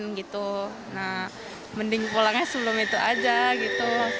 nah mending pulangnya sebelum itu aja gitu